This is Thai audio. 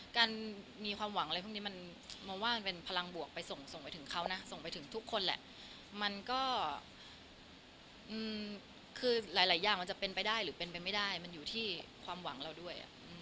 การมีความหวังอะไรพวกนี้มันมองว่ามันเป็นพลังบวกไปส่งไปถึงเขานะส่งไปถึงทุกคนแหละมันก็คือหลายอย่างมันจะเป็นไปได้หรือเป็นไปไม่ได้มันอยู่ที่ความหวังเราด้วย